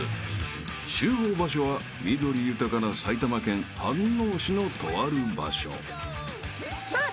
［集合場所は緑豊かな埼玉県飯能市のとある場所］さあ